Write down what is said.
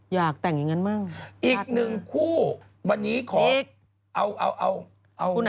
ไหนคู่ไหนอย่าเลิกนะ